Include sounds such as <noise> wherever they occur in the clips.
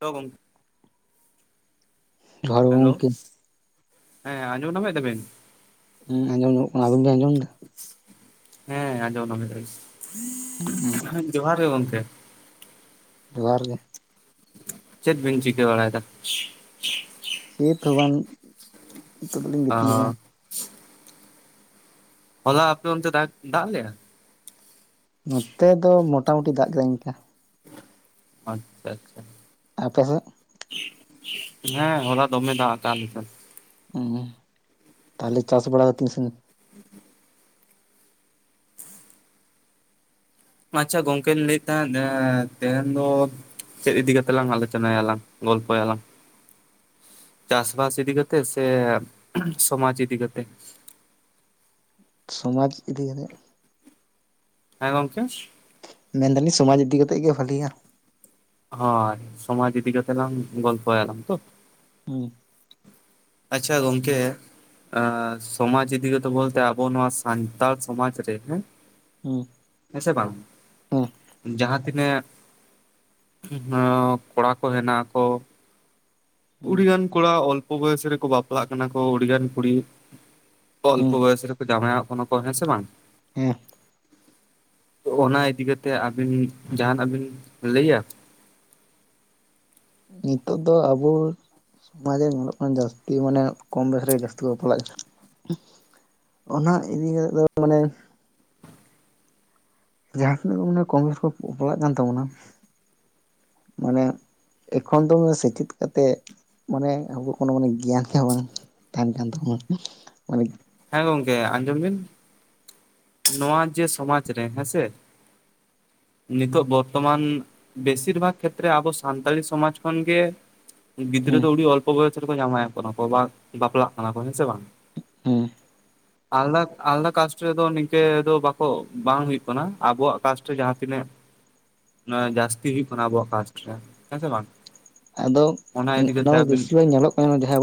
Hello ᱜᱚᱝ ᱡᱚᱦᱟᱨ ᱜᱮ ᱦᱮᱞᱳ ᱜᱚᱝᱠᱮ ᱦᱮᱸ ᱟᱸᱡᱚᱢ ᱧᱮᱢᱮᱫ ᱛᱟᱵᱮᱱ ᱦᱮᱸ ᱟᱸᱡᱚᱢ ᱧᱚᱜ ᱚᱱᱟᱵᱤᱱ ᱵᱤᱱ ᱟᱸᱡᱚᱢ ᱮᱫᱟ ᱦᱮᱸ ᱟᱸᱡᱚᱢ ᱡᱚᱦᱟᱨ ᱜᱮ ᱜᱚᱢᱠᱮ ᱡᱚᱦᱟᱨ ᱜᱮ ᱪᱮᱫ ᱵᱤᱱ ᱪᱤᱠᱟᱹ ᱵᱟᱲᱟᱭᱮᱫᱟ᱾ ᱥᱮᱛ ᱦᱚᱸ ᱵᱟᱝ ᱱᱤᱛᱚᱜ ᱫᱚᱞᱤᱧ ᱚ ᱜᱤᱛᱤᱜ ᱟᱠᱟᱱᱟ ᱦᱚᱞᱟ ᱟᱯᱮ ᱚᱱᱛᱮ ᱫᱟᱜ ᱫᱟᱜ ᱞᱮᱭᱟ᱾ ᱱᱚᱛᱮ ᱫᱚ ᱢᱚᱴᱟ ᱢᱩᱩᱴᱤ ᱫᱟᱜ ᱠᱮᱫ-ᱟ ᱤᱱᱠᱟ᱾ ᱟᱪᱪᱷᱟ ᱟᱪᱪᱷᱟ ᱟᱯᱮ ᱥᱮᱫ ᱦᱮᱸ ᱦᱚᱞᱟ ᱫᱚᱢᱮ ᱫᱟᱜ <unintelligible> ᱦᱩᱸ, ᱛᱟᱦᱞᱮ ᱪᱟᱥ ᱵᱟᱲᱟ ᱠᱚ ᱛᱤᱱ ᱥᱟᱹᱜᱤᱧ ᱟᱪᱪᱷᱟ ᱜᱚᱝᱠᱮᱧ ᱞᱟᱹᱭᱮᱫ ᱛᱟᱦᱮᱸᱫ ᱮᱸ ᱛᱮᱦᱮᱧ ᱫᱚ ᱪᱮᱫ ᱤᱫᱤ ᱠᱟᱛᱮᱜ ᱞᱟᱝ ᱟᱞᱳᱪᱚᱱᱟᱭᱟᱞᱟᱝ ᱜᱚᱞᱯᱚᱭᱟᱞᱟᱝ ᱪᱟᱥ ᱵᱟᱥ ᱤᱫᱤ ᱠᱟᱛᱮᱜ ᱥᱮ ᱥᱚᱢᱟᱡᱽ ᱤᱫᱤ ᱠᱟᱛᱮᱜ ᱥᱚᱢᱟᱡᱽ ᱤᱫᱤ ᱠᱟᱛᱮᱫ ᱦᱮᱸ ᱜᱚᱝᱠᱮ ᱢᱮᱱ ᱫᱟᱞᱤᱧ ᱥᱚᱢᱟᱡᱽ ᱤᱫᱤ ᱠᱟᱛᱮᱜ ᱜᱮ ᱵᱷᱟᱞᱮᱭᱟ ᱦᱚᱭ ᱥᱚᱢᱟᱡᱽ ᱤᱫᱤ ᱠᱟᱛᱮᱜ ᱞᱟᱝ ᱜᱚᱞᱯᱷᱚᱭᱟᱞᱟᱝ ᱛᱚ ᱦᱩᱸ ᱟᱪᱪᱷᱟ ᱜᱚᱢᱠᱮ ᱟᱸᱻ ᱥᱚᱢᱟᱡᱽ ᱤᱫᱤ ᱠᱟᱛᱮ ᱵᱚᱞᱛᱮ ᱟᱵᱚ ᱱᱚᱣᱟ ᱥᱟᱱᱛᱟᱲ ᱥᱚᱢᱟᱡᱽ ᱨᱮ ᱦᱮᱸ ᱦᱩᱸ ᱦᱮᱸ ᱥᱮ ᱵᱟᱝ ᱦᱩᱸ ᱡᱟᱸᱦᱟ ᱛᱤᱱᱟᱹᱜ ᱦᱮᱸ, ᱠᱚᱲᱟ ᱠᱚ ᱦᱮᱱᱟᱜ ᱠᱚ ᱦᱩᱸ ᱩᱰᱤᱜᱟᱱ ᱠᱚᱲᱟ ᱚᱞᱯᱚ ᱵᱚᱭᱮᱥ ᱨᱮᱠᱚ ᱵᱟᱯᱞᱟᱜ ᱠᱟᱱᱟ ᱠᱚ ᱩᱰᱤᱜᱟᱱ ᱠᱩᱲᱤ ᱚᱞᱯᱚ ᱦᱩᱸ ᱵᱚᱭᱚᱥ ᱨᱮᱠᱚ ᱡᱟᱶᱟᱭᱚᱜ ᱠᱟᱱᱟ ᱠᱚ ᱦᱮᱸᱥᱮ ᱵᱟᱝ ᱦᱮᱸ ᱛᱚ ᱚᱱᱟ ᱤᱫᱤ ᱠᱟᱛᱮᱜ ᱟᱹᱵᱤᱱ ᱡᱟᱸᱦᱟᱱᱟᱜ ᱵᱤᱱ ᱞᱟᱹᱭᱟ ᱱᱤᱛᱳᱜ ᱫᱚ ᱟᱵᱚ ᱚᱱᱟᱜᱮ ᱧᱮᱞᱚᱜ ᱠᱟᱱᱟ ᱡᱟᱥᱛᱤ ᱢᱟᱱᱮ ᱠᱚᱢ ᱵᱚᱭᱚᱥ ᱨᱮ ᱜᱮ ᱡᱟᱥᱛᱤ ᱠᱚ ᱵᱟᱯᱞᱟᱜ ᱠᱟᱱᱟ ᱚᱱᱟ ᱤᱫᱤ ᱠᱟᱛᱮ ᱫᱚ ᱢᱟᱱᱮ ᱡᱟᱸᱦᱟ ᱛᱤᱱᱟᱹᱜ ᱜᱮ ᱢᱟᱱᱮ ᱠᱚᱢ ᱩᱢᱮᱨ ᱨᱮ ᱠᱚ ᱵᱟᱯᱟᱞᱟᱜ ᱠᱟᱱ ᱛᱟᱵᱚᱱᱟ ᱢᱟᱱᱮ ᱮᱠᱷᱚᱱ ᱫᱚ ᱥᱮᱪᱮᱫ ᱠᱟᱛᱮᱫ ᱢᱟᱱᱮ ᱟᱵᱚᱣᱟᱜ ᱠᱳᱱᱳ ᱢᱟᱱᱮ ᱜᱮᱭᱟᱱ ᱜᱮ ᱵᱟᱝ ᱛᱟᱦᱮᱱ ᱠᱟᱱ ᱛᱟᱵᱚᱱᱟ ᱢᱟᱱᱮ ᱦᱮᱸ ᱜᱚᱝᱠᱮ ᱟᱸᱡᱚᱢ ᱵᱤᱱ ᱱᱚᱣᱟ ᱡᱮ ᱥᱚᱢᱟᱡᱽ ᱨᱮ ᱦᱮᱸ ᱥᱮ ᱱᱤᱛᱳᱜ ᱵᱚᱨᱛᱚᱢᱟᱱ ᱵᱮᱥᱤᱨ ᱵᱷᱟᱜᱽ ᱠᱷᱮᱛᱨᱮ ᱟᱵᱚ ᱥᱟᱱᱛᱟᱲᱤ ᱥᱚᱢᱟᱡᱽ ᱠᱷᱚᱱᱜᱮ ᱜᱤᱫᱽᱨᱟᱹ ᱦᱮᱸ ᱫᱚ ᱟᱹᱰᱤ ᱚᱞᱯᱚ ᱵᱚᱭᱚᱥ ᱨᱮᱠᱚ ᱡᱟᱶᱟᱭᱚᱜ ᱠᱟᱱᱟ ᱠᱚ, ᱵᱟ ᱵᱟᱯᱞᱟᱜ ᱠᱟᱱᱟ ᱠᱚ ᱦᱮᱸ ᱥᱮ ᱵᱟᱝ ᱦᱩᱸ ᱟᱞᱫᱟ ᱟᱞᱟᱫᱟ ᱠᱟᱥᱴ ᱨᱮ ᱫᱚ ᱱᱤᱝ ᱱᱤᱱᱠᱟᱹ ᱫᱚ ᱵᱟᱠᱚ ᱵᱟᱝ ᱦᱩᱭᱩᱜ ᱠᱟᱱᱟ ᱟᱵᱚᱣᱟᱜ ᱠᱟᱥᱴ ᱨᱮ ᱡᱟᱸᱦᱟ ᱛᱤᱱᱟᱹᱜ ᱚᱱᱟ ᱡᱟᱥᱛᱤ ᱦᱩᱭᱩᱜ ᱠᱟᱱᱟ ᱟᱵᱚᱣᱟᱜ ᱠᱟᱥᱴ ᱨᱮ ᱦᱮᱸ ᱥᱮ ᱵᱟᱝ ᱟᱫᱚ ᱤᱫᱤ ᱚᱱᱟ ᱠᱟᱛᱮ ᱫᱚ ᱟᱹᱵᱤᱱ ᱵᱮᱥᱤᱨ ᱵᱷᱟᱜᱽ ᱧᱮᱞᱚᱜ ᱠᱟᱱᱟ ᱡᱟᱸᱦᱟᱭ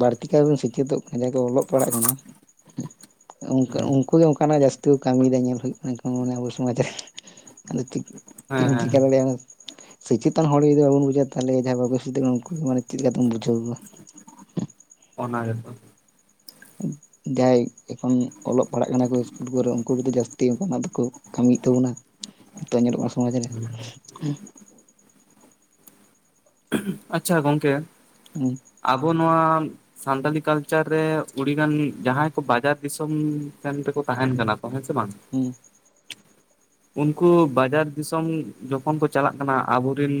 ᱵᱟᱹᱲᱛᱤ ᱠᱟᱭ ᱵᱚᱱ ᱥᱮᱪᱮᱫᱚᱜ ᱠᱟᱡᱟᱠᱮ ᱚᱞᱚᱜ ᱯᱟᱲᱦᱟᱜ ᱠᱟᱱᱟ ᱚᱠᱟ <unintelligible> ᱩᱱᱩᱠᱩ ᱫᱚ ᱚᱝᱠᱟᱱᱟᱜ ᱡᱟᱹᱥᱛᱤ ᱠᱚ ᱠᱟᱹᱢᱤᱭᱮᱫᱟ ᱧᱮᱞ ᱦᱩᱭᱩᱜ ᱠᱟᱱᱟ ᱚᱝᱠᱟ ᱟᱵᱚ ᱥᱚᱢᱟᱡᱽ ᱨᱮ ᱦᱮᱸ ᱦᱮᱸ <unintelligible> ᱥᱚᱪᱮᱛᱚᱱ ᱦᱚᱲ ᱡᱚᱫᱤ ᱵᱟᱵᱚᱱ ᱵᱩᱡᱟ ᱛᱟᱞᱦᱮ ᱡᱟᱸᱦᱟᱭ ᱵᱟᱠᱚ ᱥᱩᱫᱷᱨᱟᱹᱜ ᱠᱟᱱᱟ ᱩᱱᱠᱩ ᱢᱟᱱᱮ ᱪᱮᱫ ᱞᱮᱠᱟ ᱠᱟᱛᱮᱢ ᱵᱩᱡᱷᱟᱹᱣ ᱠᱚᱣᱟ ᱚᱱᱟ ᱜᱮ ᱛᱚ ᱡᱟᱸᱦᱟᱭ ᱮᱠᱷᱚᱱ ᱚᱞᱚᱜ ᱯᱟᱲᱦᱟᱜ ᱠᱟᱱᱟ ᱠᱚ ᱤᱥᱠᱩᱞ ᱠᱚᱨᱮ ᱩᱝᱠᱩ ᱠᱚᱫᱚ ᱡᱟᱹᱥᱛᱤ ᱚᱱᱠᱟᱱᱟᱜ ᱫᱚᱠᱚ ᱠᱟᱹᱢᱤᱭᱮᱫ ᱛᱟᱵᱚᱱᱟ ᱱᱤᱛᱚᱜ ᱧᱮᱞᱚᱜ-ᱟ ᱥᱚᱢᱟᱡ ᱨᱮ ᱟᱪᱪᱷᱟ ᱜᱚᱝᱠᱮ ᱦᱩᱸ ᱟᱵᱚ ᱱᱚᱣᱟ ᱥᱟᱱᱛᱟᱞᱤ ᱠᱟᱞᱪᱟᱨ ᱨᱮ ᱩᱰᱤᱜᱟᱱ ᱜᱟᱱ ᱡᱟᱸᱦᱟᱭ ᱠᱚ ᱵᱟᱡᱟᱨ ᱫᱤᱥᱚᱢ ᱥᱮᱱ ᱨᱮᱠᱚ ᱛᱟᱦᱮᱱ ᱠᱟᱱᱟ ᱠᱚ ᱦᱮᱸ ᱥᱮ ᱵᱟᱝ ᱦᱩᱸ ᱩᱱᱠᱩ ᱵᱟᱡᱟᱨ ᱫᱤᱥᱚᱢ ᱡᱚᱠᱷᱚᱱ ᱠᱚ ᱪᱟᱞᱟᱜ ᱠᱟᱱᱟ ᱟᱵᱚᱨ ᱨᱤᱱ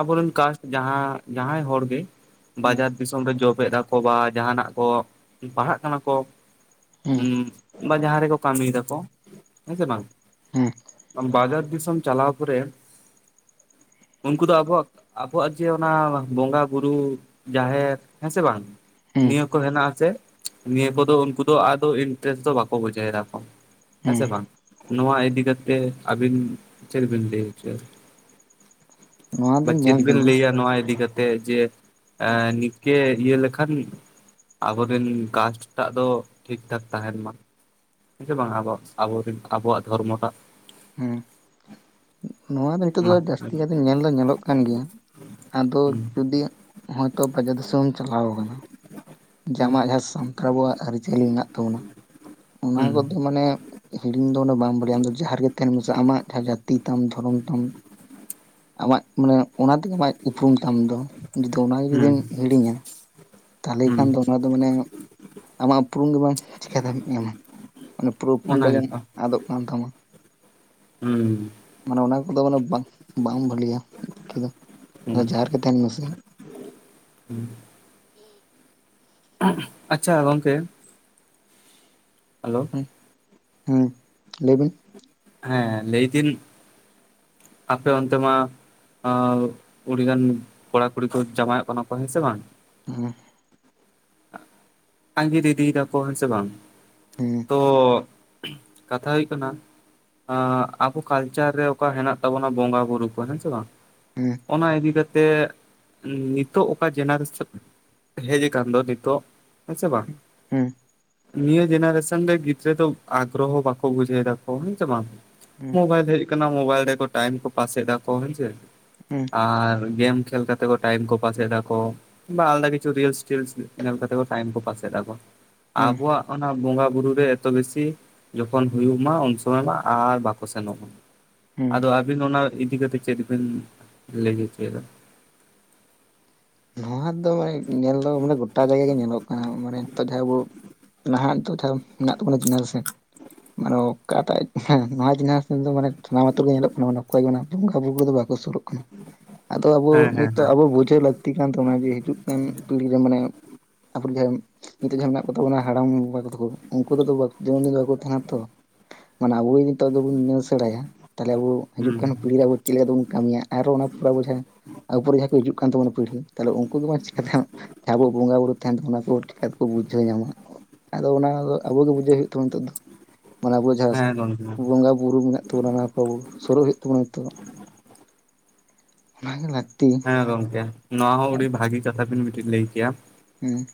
ᱟᱵᱚᱨᱮᱱ ᱠᱟᱥᱴ ᱡᱟᱸᱦᱟ ᱡᱟᱸᱦᱟᱭ ᱦᱚᱲ ᱜᱮ ᱦᱮᱸ ᱵᱟᱡᱟᱨ ᱫᱤᱥᱚᱢ <unintelligible> ᱡᱚᱵᱮᱫ. ᱟᱠᱚ ᱵᱟ ᱡᱟᱦᱱᱟᱜ ᱠᱚ ᱯᱟᱲᱦᱟᱜ ᱠᱟᱱᱟ ᱠᱚ ᱦᱮᱸ ᱩᱸ ᱵᱟ ᱡᱟᱸᱦᱟ ᱨᱮᱠᱚ ᱠᱟᱹᱢᱤᱭ ᱫᱟᱠᱚ ᱦᱮᱸ ᱥᱮ ᱵᱟᱝ ᱦᱩᱸ ᱵᱟᱡᱟᱨ ᱫᱤᱥᱚᱢ ᱪᱟᱞᱟᱣ ᱯᱚᱨᱮ ᱩᱱᱠᱩ ᱫᱚ ᱟᱵᱚᱣᱟᱜ ᱟᱵᱚᱣᱟᱜ ᱡᱮ ᱚᱱᱟ ᱵᱚᱸᱜᱟ ᱵᱩᱨᱩ ᱡᱟᱦᱮᱨ ᱦᱮᱸ ᱥᱮ ᱵᱟᱝ ᱦᱮᱸ ᱱᱤᱭᱟᱹ ᱠᱚ ᱦᱮᱱᱟᱜ ᱟᱥᱮ ᱱᱤᱭᱟᱹ ᱠᱚᱫᱚ ᱩᱱᱠᱩ ᱫᱚ ᱟᱫᱚ ᱤᱱᱴᱟᱨᱮᱥᱴ ᱫᱚ ᱵᱟᱠᱚ ᱵᱩᱡᱷᱟᱹᱣ ᱮᱫᱟᱠᱚ ᱦᱮᱸ ᱥᱮ ᱵᱟᱝ ᱱᱚᱣᱟ ᱤᱫᱤ ᱠᱟᱛᱮ ᱟᱹᱵᱤᱱ ᱪᱮᱫ ᱵᱤᱱ ᱞᱟᱹᱭ ᱦᱚᱪᱚᱭᱟ ᱱᱚᱣᱟ ᱵᱟ ᱫᱚ ᱪᱮᱫ ᱧᱮᱞ ᱵᱮᱱ ᱠᱟᱹᱫᱟᱹᱧ ᱞᱟᱹᱭᱟ ᱱᱚᱣᱟ ᱤᱫᱤ ᱠᱟᱛᱮᱜ ᱡᱮ ᱱᱤᱛ ᱤᱠᱮ ᱤᱭᱟᱹ ᱞᱮᱠᱷᱟᱱ ᱟᱵᱚᱨᱮᱱ ᱠᱟᱥᱴ ᱴᱟᱜ ᱫᱚ ᱴᱷᱤᱠ ᱴᱷᱟᱠ ᱛᱟᱦᱮᱱ ᱢᱟ ᱦᱮᱸ ᱥᱮ ᱵᱟᱝ ᱟᱵᱚᱣᱟᱜ ᱟᱵᱚᱨᱮᱱ ᱟᱵᱚᱣᱟᱜ ᱫᱷᱚᱨᱢᱚ ᱴᱟᱜ ᱦᱮᱸ <inaudible> ᱱᱚᱣᱟ ᱫᱚ ᱱᱤᱛᱚᱜ ᱫᱚ ᱢᱟ ᱡᱟᱹᱥᱛᱤ ᱦᱩᱸ ᱠᱟᱛᱮ ᱧᱮᱞ ᱫᱚ ᱧᱮᱞᱚᱜ ᱠᱟᱱ ᱜᱮᱭᱟ ᱟᱫᱚ ᱦᱩᱸ ᱡᱩᱫᱤ ᱦᱚᱭᱛᱚ ᱵᱟᱡᱟᱨ ᱫᱤᱥᱚᱢᱮᱢ ᱪᱟᱞᱟᱣ ᱟᱠᱟᱱᱟ ᱡᱟᱢᱟᱜ ᱡᱟᱦᱟᱸ ᱥᱟᱱᱛᱟᱲ ᱟᱵᱚᱣᱟᱜ ᱟᱹᱨᱤᱪᱟᱹᱞᱤ ᱢᱮᱱᱟᱜ ᱛᱟᱵᱚᱱᱟ ᱦᱩᱸ ᱚᱱᱟ ᱠᱚᱫᱚ ᱢᱟᱱᱮ ᱦᱤᱲᱤᱧ ᱫᱚ ᱵᱟᱢ ᱵᱷᱟᱞᱤᱭᱟ ᱟᱢ ᱫᱚ ᱡᱟᱦᱟᱸ ᱨᱮᱜᱮ ᱛᱟᱦᱮᱱ ᱢᱮᱥᱮ ᱟᱢᱟᱜ ᱡᱟᱦᱟᱸ ᱡᱟᱹᱛᱤ ᱛᱟᱢ ᱫᱷᱚᱨᱚᱢ ᱛᱟᱢ ᱟᱢᱟᱜ ᱢᱟᱱᱮ ᱚᱱᱟ ᱛᱮᱜᱮ ᱟᱢ ᱩᱯᱨᱩᱢ ᱛᱟᱢ ᱫᱚ ᱡᱩᱫᱤ ᱚᱱᱟᱜᱮ ᱦᱩᱸ ᱡᱩᱫᱤᱢ ᱦᱤᱲᱤᱧᱟ ᱛᱟᱦᱚᱞᱮ ᱦᱩᱸ ᱠᱷᱟᱱ ᱫᱚ ᱚᱱᱟ ᱫᱚ ᱢᱟᱱᱮ ᱟᱢᱟᱜ ᱩᱯᱨᱩᱢ ᱜᱮ ᱵᱟᱝ ᱪᱤᱠᱟᱹᱛᱮ ᱮᱢᱟ ᱢᱟᱱᱮ ᱯᱩᱨᱟᱹ ᱩᱯᱨᱩᱢ ᱚᱱᱟ ᱛᱟᱢ ᱜᱮ ᱜᱮᱛᱚ ᱟᱫᱚᱜ ᱠᱟᱱ ᱛᱟᱢᱟ ᱦᱩᱸ ᱢᱟᱱᱮ ᱚᱱᱟ ᱠᱚᱫᱚ ᱢᱟᱱᱮ ᱵᱟᱝ ᱵᱟᱝ ᱵᱷᱟᱹᱞᱤᱭᱟ ᱯᱟᱠᱷᱤ ᱫᱚ ᱦᱩᱸ ᱡᱟᱦᱟ ᱨᱮᱜᱮ ᱛᱟᱦᱮᱱ ᱢᱮᱥᱮ ᱦᱩᱸ <inaudible> ᱟᱪᱪᱷᱟ ᱜᱚᱝᱠᱮ ᱦᱮᱞᱳ ᱦᱮᱸ ᱞᱟᱹᱭᱵᱤᱱ ᱦᱮᱸ ᱞᱟᱹᱭ ᱫᱟᱹᱧ ᱟᱯᱮ ᱚᱱᱛᱮ ᱢᱟ ᱟᱹᱰᱤᱜᱟᱱ ᱠᱚᱲᱟ ᱠᱩᱲᱤ ᱠᱚ ᱡᱟᱶᱟᱭᱚᱜ ᱠᱟᱱᱟ ᱠᱚ ᱦᱮᱸ ᱥᱮ ᱵᱟᱝ ᱦᱩᱸ ᱟᱸᱜᱤᱨ ᱤᱫᱤᱭ ᱫᱟᱠᱚ ᱦᱮᱸᱥᱮ ᱵᱟᱝ ᱦᱮᱸ ᱛᱚ ᱠᱟᱛᱷᱟ ᱦᱩᱭᱩᱜ ᱠᱟᱱᱟ ᱟᱵᱚ ᱠᱟᱞᱪᱟᱨ ᱨᱮ ᱚᱠᱟ ᱦᱮᱱᱟᱜ ᱛᱟᱵᱚᱱᱟ ᱵᱚᱸᱜᱟ ᱵᱩᱨᱩ ᱠᱚ ᱦᱮᱸ ᱥᱮ ᱵᱟᱝ ᱦᱮᱸ ᱚᱱᱟ ᱤᱫᱤ ᱠᱟᱛᱮᱜ ᱱᱤᱛᱚᱜ ᱚᱠᱟ ᱡᱮᱱᱟᱨᱮᱥᱚᱱ ᱦᱮᱡ ᱟᱠᱟᱱ ᱫᱚ ᱱᱤᱛᱚᱜ ᱦᱮᱸᱥᱮ ᱵᱟᱝ ᱦᱩᱸ ᱱᱤᱭᱟᱹ ᱡᱮᱱᱟᱨᱮᱥᱚᱱ ᱨᱮ ᱜᱤᱫᱽᱨᱟᱹ ᱫᱚ ᱟᱜᱨᱚᱦᱚ ᱵᱟᱠᱚ ᱵᱩᱡᱷᱟᱹᱣ ᱮᱫᱟᱠᱚ ᱦᱮᱸᱥᱮ ᱵᱟᱝ ᱦᱮᱸ ᱢᱳᱵᱟᱭᱤᱞ ᱦᱮᱡ ᱟᱠᱟᱱᱟ ᱢᱳᱵᱟᱭᱤᱞ ᱨᱮ ᱴᱟᱭᱤᱢ ᱠᱚ ᱯᱟᱥᱮᱫᱟ ᱠᱚ ᱦᱮᱸᱥᱮ ᱦᱮᱸ ᱟᱨ ᱜᱮᱢ ᱠᱷᱮᱞ ᱛᱮ ᱴᱟᱭᱤᱢ ᱠᱚ ᱯᱟᱥ ᱮᱫᱟ ᱠᱚ ᱵᱟ ᱟᱞᱫᱟ ᱠᱤᱪᱷᱩ ᱨᱤᱞᱥ ᱴᱤᱞᱥ ᱧᱮᱞ ᱠᱟᱛᱮ ᱴᱟᱭᱤᱢ ᱠᱚ ᱯᱟᱥ ᱮᱫᱟ ᱠᱚ ᱦᱮᱸ ᱟᱵᱚᱣᱟᱜ ᱚᱱᱟ ᱵᱚᱸᱜᱟ ᱵᱩᱨᱩ ᱨᱮ ᱮᱛᱚ ᱵᱮᱥᱤ ᱡᱚᱠᱷᱚᱱ ᱦᱩᱭᱩᱜ ᱢᱟ ᱩᱱ ᱥᱚᱢᱚᱭ ᱢᱟ ᱟᱨ ᱵᱟᱠᱚ ᱥᱮᱱᱚᱜ ᱢᱟ ᱦᱮᱸ ᱟᱫᱚ ᱟᱹᱵᱤᱱ ᱚᱱᱟ ᱤᱫᱤ ᱠᱟᱛᱮᱜ ᱪᱮᱫ ᱵᱤᱱ ᱞᱟᱹᱭ ᱦᱚᱪᱚᱭᱮᱫᱟ ᱱᱚᱣᱟ ᱫᱚ ᱢᱟᱱᱮ ᱧᱮᱞ ᱫᱚ ᱢᱟᱱᱮ ᱜᱚᱴᱟ ᱡᱟᱭᱜᱟ ᱜᱮ ᱧᱮᱞᱚᱜ ᱠᱟᱱᱟ ᱢᱟᱱᱮ ᱱᱤᱛᱚᱜ ᱡᱟᱦᱟᱸ ᱟᱵᱚ ᱱᱟᱦᱟᱜ ᱱᱤᱛᱚᱜ ᱢᱮᱱᱟᱜ ᱛᱟᱵᱚᱱᱟ ᱡᱮᱱᱟᱨᱮᱥᱚᱱ ᱢᱟᱱᱮ ᱚᱠᱟᱴᱟᱜ ᱱᱚᱣᱟ ᱡᱤᱱᱤᱥ ᱢᱟᱱᱮ ᱥᱟᱱᱟᱢᱛᱩᱨ ᱨᱮ ᱜᱮ ᱧᱮᱞᱚᱜ ᱠᱟᱱᱟ ᱢᱟᱱᱮ ᱚᱠᱚᱭᱮ ᱵᱚᱸᱜᱟ ᱵᱩᱨᱩ ᱨᱮᱫᱚ ᱵᱟᱠᱚ ᱥᱩᱨᱩᱜ ᱠᱟᱱᱟ ᱟᱫᱚ ᱟᱵᱚ ᱦᱮᱸ ᱦᱮᱸ ᱱᱤᱛᱚᱜ ᱦᱮᱸ ᱟᱵᱚ ᱵᱩᱡᱷᱟᱹᱣ ᱞᱟᱹᱠᱛᱤ ᱠᱟᱱ ᱛᱟᱵᱚᱱᱟ ᱡᱮ ᱦᱤᱡᱩᱜ ᱠᱟᱱ ᱯᱤᱲᱦᱤ ᱨᱮ ᱢᱟᱱᱮ <unintelligible> ᱱᱤᱛᱚᱜ ᱡᱟᱦᱟᱸ ᱢᱮᱱᱟᱜ ᱠᱚᱛᱟ ᱵᱚᱱᱟ ᱦᱟᱲᱟᱢ ᱵᱟᱠᱚ ᱛᱟᱠᱚ ᱩᱱᱠᱩᱚ ᱡᱮᱢᱚᱱ ᱫᱤᱱ ᱵᱟᱠᱚ ᱛᱟᱦᱮᱱᱟ ᱛᱚ ᱢᱟᱱᱮ ᱟᱵᱚ ᱡᱚᱫᱤ ᱱᱤᱛᱚᱜ ᱫᱚᱵᱚᱱ ᱧᱩ ᱥᱮᱬᱟᱭᱟ ᱛᱟᱦᱞᱮ ᱟᱵᱚ ᱦᱤᱡᱩᱜ ᱦᱩᱸ ᱠᱟᱱ ᱯᱤᱲᱦᱤ ᱨᱮ ᱟᱵᱚ ᱪᱮᱫ ᱞᱮᱠᱟ ᱛᱮᱵᱚᱱ ᱠᱟᱹᱢᱤᱭᱟ ᱟᱨᱚ ᱚᱱᱟ ᱯᱩᱨ ᱵᱚᱡᱷᱟ ᱟᱵᱚᱯᱚᱨᱮ ᱡᱟᱦᱟᱸ ᱠᱚ ᱦᱤᱡᱩᱜ ᱠᱟᱱ ᱛᱟᱵᱚᱱᱟ ᱯᱤᱲᱦᱤ ᱛᱟᱦᱚᱞᱮ ᱩᱱᱠᱩ ᱜᱮ ᱪᱤᱠᱟᱛᱮ ᱡᱟᱦᱟᱸ ᱟᱵᱚᱣᱟᱜ ᱵᱚᱸᱜᱟ ᱵᱩᱨᱩ ᱛᱷᱟᱱ ᱚᱱᱟ ᱠᱚ ᱪᱤᱠᱟᱛᱮᱠᱚ ᱵᱩᱡᱷᱟᱹᱣ ᱧᱟᱢᱟ ᱟᱫᱚ ᱚᱱᱟ ᱫᱚ ᱟᱵᱚᱜ ᱜᱮ ᱵᱩᱡᱷᱟᱹᱣ ᱦᱩᱭᱩᱜ ᱛᱟᱵᱚ ᱱᱤᱛᱳ ᱫᱚ ᱢᱟᱱᱮ ᱟᱵᱚ ᱡᱟᱦᱟᱸ ᱦᱮᱸ ᱜᱚᱝᱠᱮ ᱵᱚᱸᱜᱟ ᱵᱩᱨᱩ ᱢᱮᱱᱟᱜ ᱛᱟᱵᱚᱱᱟ ᱚᱱᱟ ᱵᱟᱵᱩ ᱥᱩᱨᱩᱜ ᱦᱩᱭᱩᱜ ᱛᱟᱵᱚᱱᱟ ᱱᱤᱛᱚᱜ ᱚᱱᱟ ᱜᱮ ᱞᱟᱹᱠᱛᱤ ᱦᱮᱸ ᱜᱚᱝᱠᱮ ᱱᱚᱣᱟ ᱦᱚᱸ ᱟᱹᱰᱤ ᱵᱷᱟᱹᱜᱤ ᱠᱟᱛᱷᱟ ᱵᱤᱱ ᱢᱤᱫᱴᱤᱱ ᱞᱟᱹᱭ ᱠᱮᱭᱟ ᱦᱮᱸ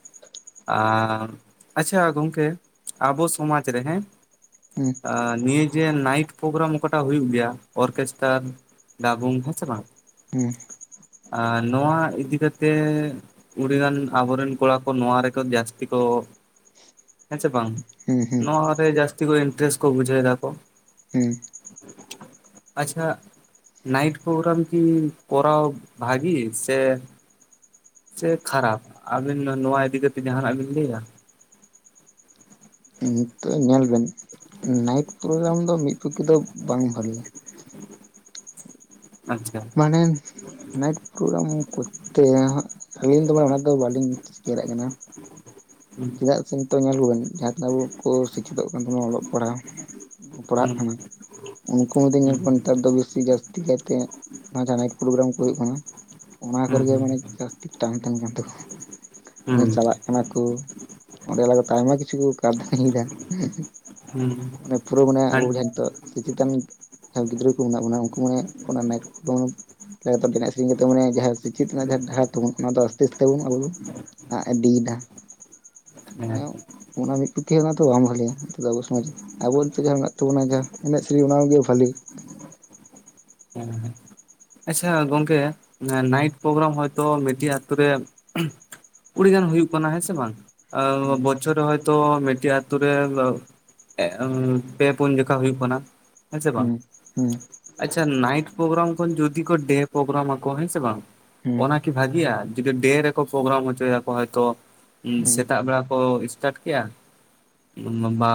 ᱟᱨ ᱟᱪᱪᱷᱟ ᱜᱚᱢᱠᱮ ᱟᱵᱚ ᱥᱚᱢᱟᱡᱽ ᱨᱮ ᱦᱮᱸ ᱦᱮᱸ ᱱᱤᱭᱟᱹ ᱡᱮ ᱱᱟᱭᱤᱴ ᱯᱨᱳᱜᱨᱟᱢ ᱚᱠᱟᱴᱟᱜ ᱦᱩᱭᱩᱜ ᱜᱮᱭᱟ ᱚᱨᱠᱮᱥᱴᱟᱨ ᱰᱟᱵᱝ ᱦᱮᱸᱥᱮ ᱵᱟᱝ ᱦᱮᱸ ᱟ ᱱᱚᱣᱟ ᱤᱫᱤ ᱠᱟᱛᱮᱜ ᱩᱲᱤ ᱜᱟᱱ ᱟᱵᱚᱨᱮᱱ ᱠᱚᱲᱟ ᱠᱚ ᱱᱚᱣᱟ ᱨᱮᱠᱚ ᱡᱟᱹᱥᱛᱤ ᱠᱚ ᱦᱮᱸ ᱥᱮᱮ ᱵᱟᱝ ᱦᱩᱸ ᱱᱚᱣᱟᱨᱮ ᱡᱟᱹᱥᱛᱤ ᱠᱚ ᱤᱱᱴᱟᱨᱮᱥᱴ ᱠᱚ ᱵᱩᱡᱷᱟᱹᱣ ᱫᱟᱠᱚ ᱦᱮᱸ ᱟᱪᱪᱷᱟ ᱱᱟᱭᱤᱴ ᱯᱨᱜᱨᱟᱢ ᱠᱤ ᱠᱚᱨᱟᱣ ᱵᱷᱟᱹᱜᱤ ᱥᱮ ᱥᱮ ᱠᱷᱟᱨᱟᱯ ᱟᱹᱵᱤᱱ ᱱᱚᱣᱟ ᱤᱫᱤᱠᱟ ᱠᱟᱛᱮ ᱡᱟᱦᱟᱱᱟᱜ ᱵᱤᱱ ᱞᱟᱹᱭᱟ ᱱᱤᱛᱚᱜ ᱧᱮᱞ ᱵᱮᱱ ᱱᱟᱭᱤᱴ ᱯᱨᱳᱜᱨᱟᱢ ᱫᱚ ᱢᱤᱫ ᱯᱚᱠᱠᱷᱮ ᱫᱚ ᱵᱟᱝ ᱵᱷᱟᱹᱜᱤᱭᱟ ᱢᱟᱱᱮ ᱱᱟᱭᱤᱴ ᱯᱨᱳᱜᱨᱟᱢ ᱠᱚᱨᱛᱮ ᱟᱹᱞᱤᱧ ᱫᱚᱢᱮ ᱚᱱᱟ ᱫᱚ ᱵᱟᱟᱹᱞᱤᱧ ᱪᱤᱠᱮᱨᱟᱜ ᱠᱟᱱᱟ ᱦᱩᱸ ᱪᱮᱫᱟᱜ ᱥᱮ ᱱᱤᱛᱚᱜ ᱧᱮᱞ ᱠᱚ ᱵᱮᱱ ᱡᱟᱦᱟᱸ ᱛᱤᱱᱟᱹᱜ ᱟᱵᱚ ᱠᱚ ᱥᱤᱠᱠᱷᱤᱛᱚᱜ ᱠᱟᱱ ᱛᱟᱵᱚᱱᱟ ᱚᱞᱚᱜ ᱯᱟᱲᱦᱟᱣ ᱯᱟᱲᱦᱟᱜ ᱠᱟᱱᱟ ᱩᱱᱠᱩ ᱢᱩᱫᱮᱧ ᱧᱮᱞ ᱠᱚᱣᱟ ᱱᱮᱛᱟᱨ ᱫᱚ ᱵᱮᱥᱤ ᱡᱟᱹᱥᱛᱤ ᱠᱟᱭᱛᱮ ᱚᱱᱟ ᱡᱟ ᱱᱟᱭᱤᱴ ᱯᱨᱳᱜᱨᱟᱢ ᱠᱚ ᱦᱩᱭᱩᱜ ᱠᱟᱱᱟ ᱚᱱᱟ ᱠᱚᱨᱮᱜᱮ ᱢᱟᱱᱮ ᱡᱟᱹᱥᱛᱤ ᱴᱟᱱ ᱛᱟᱦᱮᱱ ᱠᱟᱱ ᱛᱟᱠᱚᱣᱟ ᱦᱩᱸ ᱱᱚᱜᱚᱭ ᱪᱟᱞᱟᱜ ᱠᱟᱱᱟ ᱠᱩ ᱚᱸᱰᱮ ᱞᱟ ᱛᱮ ᱟᱭᱢᱟ ᱠᱤᱪᱷᱩ ᱠᱚ ᱠᱟᱨᱫᱟᱱᱤᱭᱮᱫᱟ ᱦᱩᱸ ᱢᱟᱱᱮ ᱯᱩᱨᱟᱹ ᱢᱟᱱᱮ ᱦᱮᱸ ᱟᱵᱚ ᱡᱟᱦᱟᱸ ᱱᱤᱛᱳᱜ ᱥᱮᱪᱮᱛᱟᱱ ᱡᱟᱦᱟᱸ ᱜᱤᱫᱽᱨᱟᱹ ᱠᱚ ᱢᱮᱱᱟᱜ ᱵᱚᱱᱟ ᱩᱱᱠᱩ ᱢᱟᱱᱮ ᱚᱱᱟ <unintelligible> ᱥᱮᱨᱮᱧ ᱠᱟᱛᱮ ᱢᱟᱱᱮ ᱡᱟᱦᱟᱸ ᱥᱮᱪᱤᱛ ᱨᱮᱱᱟᱜ ᱡᱟᱦᱟᱸ ᱰᱟᱦᱟᱨ ᱛᱟᱵ ᱚᱱᱟ ᱫᱚ ᱛᱤᱥ ᱛᱟᱵᱚᱱ ᱟᱵᱚ ᱫᱚ ᱟ ᱤᱫᱤᱭᱮᱫᱟ ᱦᱮᱸ ᱚᱱᱟ ᱢᱤᱫ ᱯᱚᱠᱠᱷᱮ ᱦᱚ ᱚᱱᱟ ᱛᱚ ᱵᱟᱝ ᱵᱷᱟᱹᱜᱮᱭᱟ ᱱᱤᱛᱚᱜ ᱫᱚ ᱟᱵᱚ ᱥᱚᱢᱟᱡᱽ ᱟᱵᱚ ᱱᱤᱛᱮᱜ ᱡᱟᱦᱟᱸ ᱢᱮᱱᱟᱜ ᱛᱟᱵᱚᱱᱟ ᱡᱟᱦᱟᱸ ᱮᱱᱮᱡ ᱥᱮᱨᱮᱧ ᱚᱱᱟᱱᱟᱜᱮ ᱵᱷᱟᱹᱞᱤ <unintelligible> ᱟᱪᱪᱷᱟ ᱜᱚᱝᱠᱮ ᱱᱟᱭᱤᱴ ᱯᱨᱳᱜᱨᱟᱢ ᱦᱚᱭᱛᱳ ᱢᱤᱴᱤᱡ ᱟᱛᱳ ᱨᱮ ᱠᱩᱲᱤ ᱜᱟᱱ ᱦᱩᱭᱩᱜ ᱠᱟᱱᱟ ᱦᱮᱸ ᱥᱮ ᱵᱟᱝ ᱦᱩᱸ ᱵᱚᱪᱷᱚᱨ ᱨᱮ ᱦᱚᱭᱛᱳ ᱢᱤᱫᱴᱮᱱ ᱟᱛᱳ ᱨᱮ ᱯᱮ ᱯᱩᱱ ᱡᱚᱠᱷᱟ ᱦᱩᱭᱩᱜ ᱠᱟᱱᱟ ᱦᱮᱸᱥᱮ ᱵᱟᱝ ᱦᱮᱸ ᱟᱪᱪᱷᱟ ᱱᱟᱭᱤᱴ ᱯᱨᱳᱜᱨᱟᱢ ᱠᱷᱚᱱ ᱡᱩᱫᱤ ᱠᱚ ᱰᱮ ᱯᱨᱳᱜᱨᱟᱢ ᱟᱠᱚ ᱦᱮᱸ ᱥᱮ ᱵᱟᱝ ᱚᱱᱟᱠᱤ ᱵᱷᱟᱜᱤᱭᱟ ᱡᱩᱫᱤ ᱰᱮ ᱨᱮᱠᱚ ᱯᱨᱳᱜᱨᱟᱢ ᱦᱚᱪᱚᱭᱟᱠᱚ ᱦᱚᱭᱛᱚ ᱦᱩᱸ ᱥᱮᱛᱟᱜ ᱵᱮᱲᱟ ᱠᱚ ᱥᱴᱟᱴ ᱠᱮᱜᱼᱟ ᱵᱟ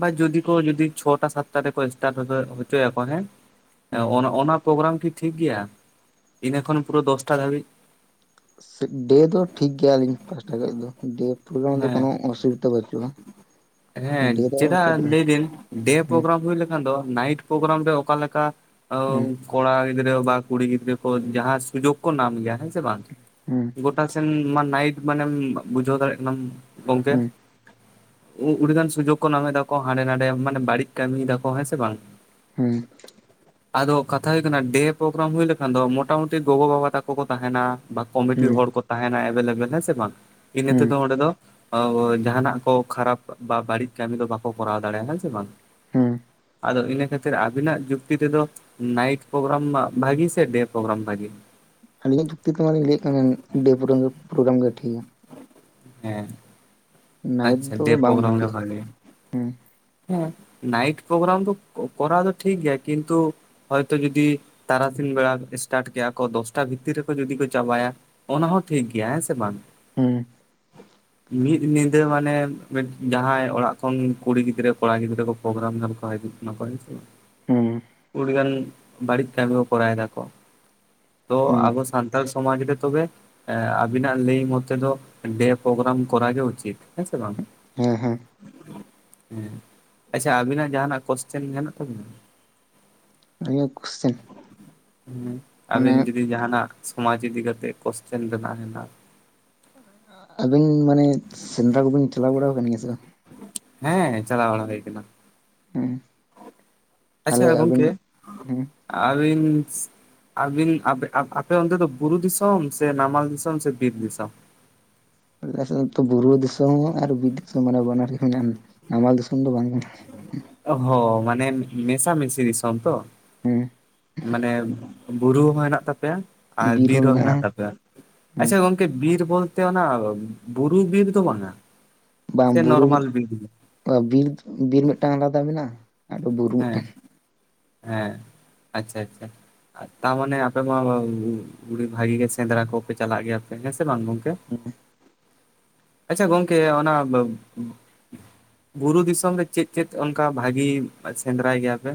ᱵᱟ ᱡᱩᱫᱤ ᱠᱚ ᱡᱫᱤ ᱪᱷᱚᱚᱴᱟ ᱥᱟᱛᱴᱟ ᱨᱮ ᱠᱚ ᱮᱥᱴᱟᱨᱴ ᱦᱚᱪᱚᱭᱟᱠᱚ ᱦᱮᱸ ᱦᱩᱸ ᱚᱱᱟ ᱯᱨᱳᱜᱨᱟᱢ ᱠᱤ ᱴᱷᱤᱠ ᱜᱮᱭᱟ ᱤᱱᱟᱹ ᱠᱷᱚᱱ ᱯᱩᱨᱟᱹ ᱫᱚᱥᱴᱟ ᱫᱷᱟᱹᱵᱤᱡ ᱰᱮ ᱫᱚ ᱴᱷᱤᱠ ᱜᱮᱭᱟᱞᱤᱧ ᱯᱟᱥ <unintelligible> ᱫᱚ ᱰᱮ ᱯᱨᱤᱜᱨᱟᱢ ᱨᱮ ᱫᱚ ᱦᱮᱸ ᱠᱳᱚᱱᱳ ᱚᱥᱩᱵᱤᱫᱟ ᱵᱟᱹᱪᱩᱜᱼᱟ ᱦᱮᱸ ᱰᱮ ᱫᱚ ᱪᱮᱫᱟᱜ ᱦᱩᱸ ᱞᱟᱹᱭ ᱫᱤᱱ ᱰᱮ ᱦᱩᱸ ᱯᱨᱳᱜᱨᱟᱢ ᱦᱩᱭ ᱞᱮ ᱫᱚ ᱱᱟᱭᱤᱴ ᱯᱨᱳᱜᱨᱟᱢ ᱨᱮ ᱚᱠᱟᱠᱟ ᱠᱚᱲᱟ ᱜᱤᱫᱽᱨᱟᱹ ᱵᱟ ᱠᱩᱲᱤ ᱜᱤᱫᱽᱨᱟᱹ ᱠᱚ ᱡᱟᱦᱟᱸ ᱥᱩᱡᱳᱜᱽ ᱠᱚ ᱧᱟᱢ ᱜᱮᱭᱟ ᱦᱮᱸ ᱥᱮ ᱵᱟᱝ ᱦᱮᱸ ᱜᱳᱴᱟ ᱥᱮᱱ ᱢᱟ ᱱᱟᱭᱤᱴ ᱢᱟᱱᱮᱢ ᱵᱩᱡᱷᱟᱹᱣ ᱫᱟᱲᱮᱭᱟᱜ ᱠᱟᱱᱟᱢ ᱜᱚᱝᱠᱮ ᱦᱩᱸ ᱟᱹᱰᱤᱜᱟᱱ ᱥᱩᱡᱳᱜᱽ ᱠᱚ ᱧᱟᱢ ᱫᱟᱠᱚ ᱦᱟᱸᱰᱮ ᱱᱟᱰᱮ ᱢᱟᱱ ᱵᱟᱹᱲᱤᱡ ᱠᱟᱹᱢᱤᱭ ᱫᱟᱠᱚ ᱦᱮᱸ ᱥᱮ ᱵᱟᱝ ᱦᱮᱸ ᱟᱫᱚ ᱠᱟᱛᱷᱟᱳᱭ ᱠᱟᱱᱟ ᱰᱮ ᱯᱨᱳᱜᱨᱟᱢ ᱦᱩᱭ ᱞᱮᱠᱷᱟᱱ ᱫᱚ ᱢᱚᱴᱟᱢᱩᱴᱤ ᱜᱚᱜᱚ ᱵᱟᱵᱟ ᱛᱟᱠᱚ ᱠᱚ ᱛᱟᱦᱮᱱᱟ ᱵᱟ ᱦᱩᱸ ᱠᱚᱢᱤᱴᱤ ᱦᱩᱸ ᱦᱚᱲ ᱠᱚ ᱛᱟᱦᱮᱱᱟ ᱮᱵᱮᱞᱮᱵᱮᱞ ᱦᱮᱸ ᱥᱮ ᱵᱟᱝ ᱦᱩᱸ ᱛᱮ ᱫᱚ ᱚᱸᱰᱮ ᱫᱚ ᱡᱟᱦᱟᱱᱟᱜ ᱠᱚ ᱠᱷᱟᱨᱟᱯ ᱵᱟ ᱵᱟᱹᱲᱤᱡ ᱠᱟᱹᱢᱤ ᱫᱚ ᱵᱟᱠᱚ ᱠᱚᱨᱟᱣ ᱫᱟᱲᱮᱭᱟᱜᱼᱟ ᱦᱮᱸ ᱥᱮ ᱵᱟᱝ ᱦᱮᱸ ᱟᱫᱚ ᱤᱱᱟᱹ ᱠᱷᱟᱹᱛᱤᱨ ᱟᱵᱤᱱᱟᱜ ᱡᱩᱠᱛᱤ ᱛᱮᱫᱚ ᱱᱟᱭᱤᱴ ᱯᱨᱳᱜᱨᱟᱢ ᱢᱟ ᱵᱷᱟᱜᱤ ᱥᱮ ᱰᱮᱹ ᱯᱨᱳᱜᱨᱟᱢ ᱵᱷᱟᱜᱮ ᱟᱹᱞᱤᱧᱟᱜ ᱡᱩᱠᱛᱤ ᱛᱮᱢᱟᱞᱤᱧ ᱞᱟᱹᱭᱮᱫ ᱠᱟᱱ ᱰᱮ ᱯᱨᱳᱜ ᱯᱨᱳᱜᱨᱟᱢ ᱜᱮ ᱴᱷᱤᱠ ᱜᱮᱭᱟ ᱦᱮᱸ ᱱᱟᱭᱤᱴ ᱟᱪᱪᱷᱟ ᱫᱚ ᱰᱮ ᱵᱟᱝ ᱯᱨᱳᱜᱨᱟᱢ ᱜᱮ ᱵᱷᱟᱞᱤᱭᱟ ᱵᱷᱟᱜᱮᱭᱟ ᱦᱮᱸ ᱦᱮᱸ ᱱᱟᱭᱤᱴ ᱯᱨᱳᱜᱨᱟᱢ ᱫᱚ ᱠᱚᱨᱟᱣ ᱫᱚ ᱴᱷᱤᱠ ᱜᱮᱭᱟ ᱠᱤᱱᱛᱩ ᱦᱚᱭᱛᱳ ᱡᱩᱫᱤ ᱛᱟᱨᱟᱥᱤᱱ ᱵᱮᱲᱟ ᱮᱴᱟᱴ ᱠᱮᱭᱟ ᱠᱚ ᱫᱚᱥᱴᱟ ᱵᱷᱤᱛᱤᱨ ᱨᱮᱠᱚ ᱡᱩᱫᱤ ᱠᱚ ᱪᱟᱵᱟᱭᱟ ᱚᱱᱟ ᱦᱚᱸ ᱴᱷᱤᱠ ᱜᱮᱭᱟ ᱦᱮᱸ ᱥᱮ ᱵᱟᱝ ᱦᱮᱸ ᱢᱤᱫ ᱧᱤᱫᱟᱹ ᱢᱟᱱᱮ ᱡᱟᱦᱟᱸᱭ ᱚᱲᱟᱜ ᱠᱷᱚᱱ ᱠᱩᱲᱤ ᱜᱤᱫᱽᱨᱟᱹ ᱠᱚᱲᱟ ᱜᱤᱫᱽᱨ ᱠᱚ ᱯᱨᱳᱜᱨᱟᱢ <unintelligible> ᱦᱩᱸ ᱠᱚ ᱜᱟᱱ ᱵᱟᱹᱲᱤᱡ ᱠᱟᱹᱢᱤ ᱠᱚ ᱠᱚᱨᱟᱣ ᱫᱟᱠᱚ ᱛᱚ ᱦᱩᱸ ᱟᱵᱚ ᱥᱟᱱᱛᱟᱲ ᱥᱚᱢᱟᱡᱽ ᱨᱮ ᱛᱚᱵᱮ ᱮ ᱟᱵᱤᱱᱟᱜ ᱞᱟᱹᱭ ᱢᱚᱛ ᱫᱚ ᱰᱮ ᱯᱨᱳᱜᱨᱟᱢ ᱠᱚᱨᱟᱣ ᱜᱮ ᱩᱪᱤᱛ ᱦᱮᱸ ᱥᱮ ᱵᱟᱝ ᱦᱮᱸ ᱦᱮᱸ ᱦᱮᱸ ᱟᱪᱪᱷᱟ ᱟᱵᱤᱱᱟᱜ ᱡᱟᱦᱟᱸᱟᱱᱟᱜ ᱠᱚᱥᱪᱮᱱ ᱢᱮᱱᱟᱜ ᱛᱟᱵᱤᱱᱟ ᱱᱤᱭᱟᱹ ᱠᱩᱥᱪᱮᱱ ᱦᱮ ᱟᱵᱮᱱ ᱡᱩᱫᱤ ᱡᱟᱦᱟᱱᱟᱜ ᱥᱚᱢᱟᱡᱽ ᱤᱫᱤ ᱠᱟᱛᱮ ᱠᱚᱥᱪᱮᱱ ᱨᱮᱱᱟᱜ ᱦᱮᱱᱟᱜ <unintelligible> ᱟᱵᱤᱱ ᱢᱟᱱᱮ ᱥᱮᱫᱽᱨᱟ ᱠᱚᱵᱤᱱ ᱪᱟᱞᱟᱣ ᱵᱟᱲᱟ ᱟᱠᱟᱱ ᱜᱮᱭᱟ ᱥᱮ ᱦᱮᱸ ᱪᱟᱞᱟᱣ ᱵᱟᱲᱟ ᱦᱩᱭ ᱠᱟᱱᱟ ᱦᱩᱸ ᱟᱪᱪᱷᱟ ᱜᱚᱢᱠᱮ ᱦᱮᱸ ᱟᱹᱵᱤᱱ ᱟᱵᱤᱱ ᱟᱯᱮ ᱚᱱᱛᱮ ᱫᱚ ᱵᱩᱨᱩ ᱫᱤᱥᱚᱢ ᱥᱮ ᱱᱟᱢᱟᱞ ᱫᱤᱥᱚᱢ ᱥᱮ ᱵᱤᱨ ᱫᱤᱥᱚᱢ ᱪᱮᱫᱟᱜ ᱥᱮ ᱵᱩᱨᱩ ᱫᱤᱥᱚᱢ ᱦᱚᱸ ᱟᱨ ᱫᱤᱥᱚᱢ ᱦᱚᱸ ᱢᱟᱱᱮ ᱵᱟᱱᱟᱨ ᱢᱮᱱᱟᱜᱼᱟ ᱱᱟᱢᱟᱞ ᱫᱤᱥᱚᱢ ᱫᱚ ᱵᱟᱝ ᱠᱟᱱᱟ ᱚᱦᱚ ᱢᱟᱱᱮ ᱢᱮᱥᱟᱢᱤᱥᱤ ᱫᱤᱥᱚᱢ ᱛᱚ ᱢᱟᱱᱮ ᱵᱩᱨᱩ ᱦᱚᱸ ᱦᱮᱱᱟᱜ ᱛᱟᱯᱮᱭᱟ ᱟᱨ ᱵᱤᱨ ᱦᱚᱸ ᱦᱮᱱᱟᱜ ᱛᱟᱯᱮᱭᱟ ᱟᱪᱪᱷᱟ ᱜᱚᱝᱠᱮ ᱵᱤᱨ ᱵᱚᱞᱛᱮ ᱚᱱᱟ ᱵᱩᱨᱩ ᱵᱤᱨ ᱫᱚ ᱵᱟᱝᱟ ᱵᱟᱝ ᱥᱮ ᱵᱩᱨᱩ ᱱᱚᱨᱢᱟᱞ ᱵᱤᱨ ᱵᱤᱨ ᱵᱤᱨ ᱢᱤᱫᱴᱟᱝ ᱟᱞᱟᱫᱟ ᱢᱮᱱᱟᱜᱼᱟ ᱟᱨ ᱵᱩᱨᱩ ᱢᱤᱫᱴᱮᱱ ᱦᱮᱸ ᱦᱮᱸ ᱟᱪᱪᱷᱟ ᱟᱪᱪᱷᱟ ᱟᱨ ᱛᱟᱨ ᱢᱟᱱᱮ ᱟᱯᱮ ᱢᱟ ᱵᱷᱟᱜᱤ ᱜᱮ ᱥᱮᱸᱫᱽᱨᱟ ᱠᱚᱯᱮ ᱪᱟᱞᱟᱜ ᱜᱮᱭᱟᱯᱮ ᱦᱮᱸ ᱥᱮ ᱵᱟᱝ ᱜᱚᱝᱠᱮ <unintelligible> ᱟᱪᱪᱷᱟ ᱜᱚᱝᱠᱮ ᱚᱱᱟ ᱵᱩᱨᱩ ᱫᱤᱥᱚᱢ ᱨᱮ ᱪᱮᱫ ᱪᱮᱫ ᱚᱱᱠᱟ ᱵᱷᱟᱹᱜᱤ ᱥᱮᱸᱫᱽᱨᱟᱭ ᱜᱮᱭᱟᱯᱮ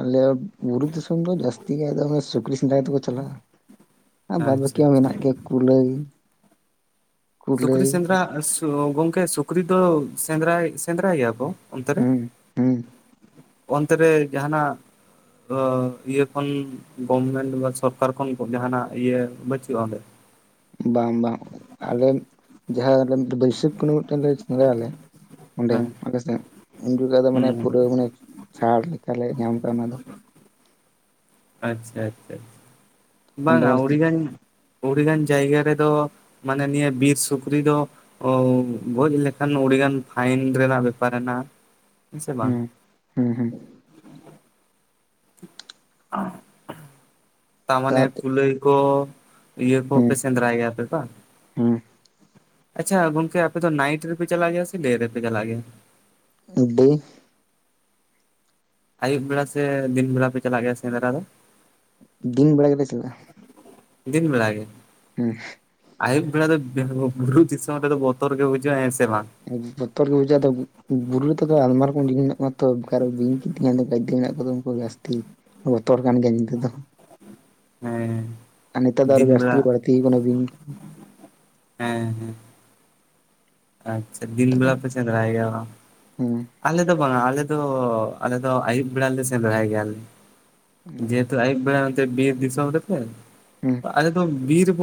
ᱟᱞᱮ ᱵᱩᱨᱩ ᱫᱤᱥᱚᱢ ᱫᱚ ᱡᱟᱹᱥᱛᱤ ᱜᱮ ᱫᱚᱮ ᱥᱩᱠᱨᱤ ᱥᱮᱸᱫᱽᱟᱭ ᱛᱮᱠᱚ ᱪᱟᱞᱟᱜᱼᱟ ᱟᱨ ᱵᱟᱫᱽ ᱵᱟᱹᱠᱤ ᱟᱪᱪᱷᱟ ᱦᱚᱸ ᱟᱪᱪᱷᱟ ᱢᱮᱱᱟᱜ ᱜᱮᱭᱟ ᱠᱩᱞᱟᱹᱭ ᱥᱩᱠᱨᱤ ᱠᱩᱞᱟᱹᱭ ᱥᱮᱸᱫᱽᱨᱟ ᱜᱚᱢᱠᱮ ᱥᱩᱠᱨᱤ ᱫᱚ ᱥᱮᱸᱫᱽᱨᱟᱭ ᱥᱮᱸᱫᱽᱨᱟᱭ ᱜᱮᱭᱟ ᱠᱚ ᱚᱱᱛᱮ ᱨᱮ ᱦᱩᱸ ᱦᱩᱸ ᱚᱱᱛᱮ ᱨᱮ ᱡᱟᱦᱟᱱᱟᱜ ᱚ ᱤᱭᱟᱹ ᱠᱷᱚᱱ ᱜᱚᱵᱷᱢᱮᱱᱴ ᱵᱟ ᱥᱚᱨᱠᱟᱨ ᱠᱷᱚᱱ ᱡᱟᱦᱟᱱᱟᱜ ᱤᱭᱟᱹ ᱵᱟᱹᱪᱩᱜᱼᱟ ᱚᱸᱰᱮ ᱵᱟᱝ ᱵᱟᱝ ᱟᱞᱮ ᱡᱟᱦᱟᱸ ᱵᱟᱹᱭᱥᱟᱹᱠᱷᱚ ᱠᱩᱱᱟᱹᱢᱤ ᱢᱤᱫᱴᱮᱱ ᱞᱮ ᱥᱮᱸᱫᱽᱨᱟᱭᱟ ᱞᱮ ᱚᱸᱰᱮ ᱦᱮᱸ ᱥᱮᱫ ᱩᱱ ᱡᱚᱠᱷᱚᱡ ᱫᱚ ᱢᱟᱱᱮ ᱦᱩᱸ ᱯᱩᱨᱟᱹ ᱢᱟᱱᱮ ᱪᱷᱟᱲ ᱞᱮᱠᱟᱞᱮ ᱧᱟᱢ ᱟᱠᱟᱫᱟ ᱚᱱᱟ ᱫᱚ ᱟᱪᱪᱷᱟ ᱟᱪᱪᱷᱟ ᱛᱚᱠᱷᱚᱱ ᱫᱚ ᱵᱟᱝᱼᱟ ᱢᱟᱱᱮ ᱪᱮᱫ ᱩᱲᱤᱜᱟᱱ ᱟᱹᱰᱤᱜᱟᱱ ᱡᱟᱭᱜᱟ ᱨᱮᱫᱚ ᱢᱟᱱᱮ ᱱᱤᱭᱟᱹ ᱵᱤᱨ ᱥᱩᱠᱨᱤ ᱫᱚ ᱚ ᱜᱚᱡ ᱞᱮᱠᱷᱟᱱ ᱟᱹᱰᱤᱜᱟᱱ ᱯᱷᱟᱭᱤᱱ ᱨᱮᱱᱟᱜ ᱵᱮᱯᱟᱨ ᱦᱮᱱᱟᱜᱼᱟ ᱦᱮᱸ ᱥᱮ ᱵᱟᱝ ᱦᱩᱸ ᱦᱩᱸ ᱦᱩᱸ <unintelligible> ᱛᱟᱨ ᱢᱟᱱᱮ ᱟᱨ ᱠᱩᱞᱟᱹᱭ ᱠᱚ ᱤᱭᱟᱹ ᱦᱩᱸ ᱠᱚᱯᱮ ᱥᱮᱸᱫᱽᱨᱟᱭ ᱜᱮᱭᱟᱯᱮ ᱵᱟᱝ ᱦᱩᱸ ᱟᱪᱪᱷᱟ ᱜᱚᱝᱠᱮ ᱟᱯᱮ ᱫᱚ ᱱᱟᱭᱤᱴ ᱨᱮᱯᱮ ᱪᱟᱞᱟᱜ ᱜᱮᱭᱟ ᱥᱮ ᱰᱮ ᱨᱮᱯᱮ ᱪᱟᱞᱟᱜ ᱜᱮᱭᱟ ᱰᱮ ᱟᱭᱩᱵ ᱵᱮᱲᱟ ᱥᱮ ᱫᱤᱱ ᱵᱮᱲᱟ ᱯᱮ ᱪᱟᱞᱟᱜ ᱜᱮᱭᱟ ᱥᱮᱫᱽᱨᱟ ᱫᱚ ᱫᱤᱱ ᱵᱮᱲᱟ ᱜᱮᱞᱮ ᱪᱟᱞᱟᱜᱼᱟ ᱫᱤᱱ ᱵᱮᱲᱟ ᱜᱮ ᱦᱩᱸ ᱟᱭᱩᱵ ᱵᱮᱲᱟ ᱫᱚ ᱵᱩᱨᱩ ᱫᱤᱥᱚᱢ ᱨᱮᱫᱚ ᱵᱚᱛᱚᱨ ᱜᱮ ᱵᱩᱡᱩᱜᱼᱟ ᱦᱮᱸ ᱥᱮ ᱵᱟᱝ ᱵᱚᱛᱚᱨ ᱜᱮ ᱵᱩᱡᱷᱟᱹᱜᱼᱟ ᱟᱫᱟ ᱵᱩᱨᱩ ᱛᱮᱫᱚ ᱟᱭᱢᱟ ᱨᱚᱠᱚᱢ ᱡᱤᱱᱤᱥ ᱢᱮᱱᱟᱜ ᱠᱚᱣᱟ ᱛᱚ ᱚᱠᱟᱨᱮ ᱵᱤᱧ ᱵᱤᱧ ᱫᱚ ᱜᱟᱫᱫᱮ ᱢᱮᱱᱟᱜ ᱠᱚ ᱩᱱᱠᱩ ᱡᱟᱥᱛᱤ ᱵᱚᱛᱚᱨ ᱠᱟᱱ ᱜᱮᱭᱟ ᱧᱤᱫᱟᱹ ᱫᱚ ᱦᱮᱸ ᱟᱨ ᱱᱮᱛᱟᱨ ᱫᱚ ᱟᱨᱚ ᱫᱤᱱ ᱵᱟᱥᱛᱤ ᱠᱚ ᱵᱮᱲᱟ ᱵᱟᱲᱛᱤ ᱠᱟᱱᱟ ᱵᱤᱧ ᱠᱚ ᱦᱮᱸ ᱦᱮᱸ ᱟᱪᱪᱷᱟ ᱫᱤᱱ ᱵᱮᱲᱟ ᱥᱮᱸᱫᱽᱨᱟᱭ ᱜᱮᱭᱟ ᱵᱟᱝ ᱦᱩᱸ ᱟᱞᱮ ᱫᱚ ᱵᱟᱝᱼᱟ ᱟᱞᱮ ᱫᱚ ᱟᱞᱮ ᱫᱚ ᱟᱹᱭᱩᱵ ᱵᱮᱲᱟ ᱞᱮ ᱥᱮᱸᱫᱽᱨᱟᱭ ᱜᱮᱭᱟᱞᱮ ᱟᱭᱩᱵ ᱵᱮᱲᱟ ᱚᱱᱛᱮ ᱵᱤᱨ ᱫᱤᱥᱚᱢ ᱨᱮ ᱥᱮ ᱦᱩᱸ ᱟᱞᱮ ᱫᱚ ᱵᱤᱨ ᱵᱩᱼᱼ